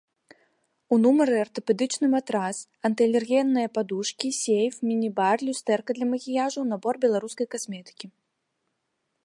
У нумары артапедычны матрац, анты-алергенныя падушкі, сейф, міні-бар, люстэрка для макіяжу, набор беларускай касметыкі.